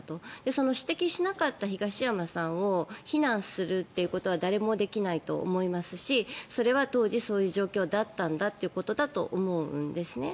その指摘しなかった東山さんを非難するっていうことは誰もできないと思いますしそれは当時そういう状況だったんだということだと思うんですね。